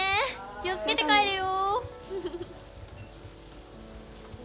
気を付けて帰れよ。